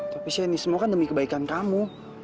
tapi siani semua kan demi kebaikan kamu